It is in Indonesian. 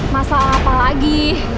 masalah apa lagi